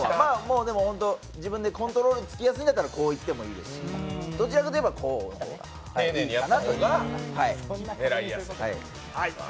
でも、自分でコントロールつけやすいんだったら、こういってもいいし、どちらかといえばこうの方がいいかなという。